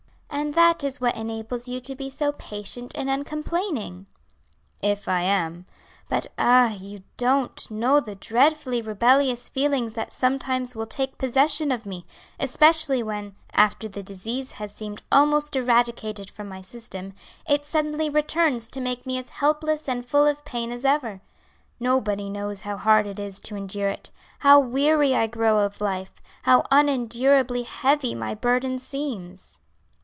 "And that is what enables you to be so patient and uncomplaining." "If I am. But ah! you don't know the dreadfully rebellious feelings that sometimes will take possession of me, especially when, after the disease has seemed almost eradicated from my system, it suddenly returns to make me as helpless and full of pain as ever. Nobody knows how hard it is to endure it; how weary I grow of life; how unendurably heavy my burden seems."